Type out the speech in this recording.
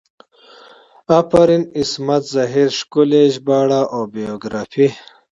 افرین عصمت زهیر ښکلي ژباړه او بیوګرافي